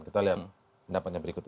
kita lihat pendapatnya berikut ini